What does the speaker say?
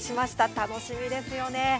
楽しみですね。